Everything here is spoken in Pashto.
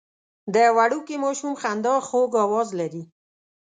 د وړوکي ماشوم خندا خوږ اواز لري.